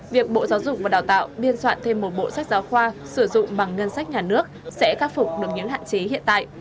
việc bộ giáo dục và đào tạo biên soạn thêm một bộ sách giáo khoa sử dụng bằng ngân sách nhà nước sẽ khắc phục được những hạn chế hiện tại